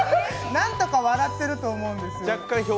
何とか笑ってると思うんです。